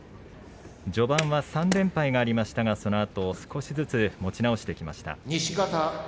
序盤は３連敗がありましたがそのあと少しずつ持ち直してきました。